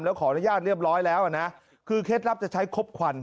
แล้วขออนุญาตเรียบร้อยแล้วนะคือเคล็ดลับจะใช้ครบควัน